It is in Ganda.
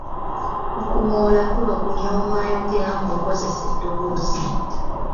Okuŋoola kuba kunyooma ayogera ng’okozesa eddoboozi.